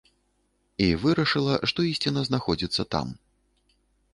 І вырашыла, што ісціна знаходзіцца там.